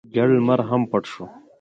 ژړ لمر هم پټ شو.